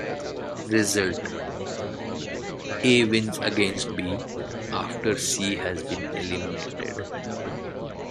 Result: A wins against B, after C has been eliminated.